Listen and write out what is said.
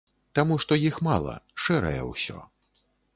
Таму што іх мала, шэрае ўсё.